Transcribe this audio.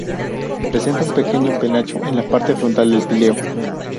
Presenta un pequeño penacho en la parte frontal del píleo.